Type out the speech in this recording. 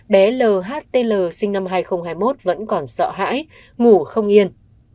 bé lhtl sinh năm hai nghìn hai mươi một vẫn còn sợ hãi ngủ không yên